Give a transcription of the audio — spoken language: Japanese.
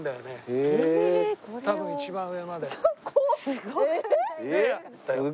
すごいな。